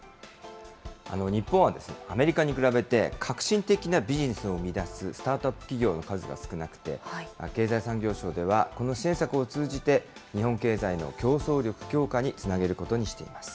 日本はアメリカに比べて、革新的なビジネスを生み出すスタートアップ企業の数が少なくて、経済産業省ではこの支援策を通じて、日本経済の競争力強化につなげることにしています。